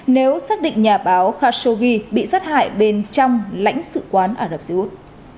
nếu xác định nhà báo khashoggi bị sát hại bên trong lãnh sự quán ả rập xê út